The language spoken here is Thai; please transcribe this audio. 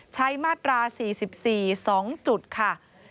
มาตรา๔๔๒จุดค่ะ